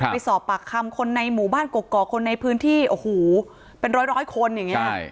ไปสอบปากคำคนในหมู่บ้านกกอกคนในพื้นที่โอ้โหเป็นร้อยคนอย่างนี้